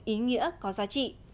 ý nghĩa có giá trị